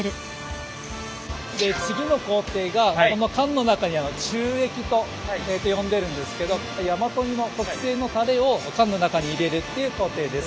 次の工程がこの缶の中に注液と呼んでるんですけど大和煮の特製のタレを缶の中に入れるっていう工程です。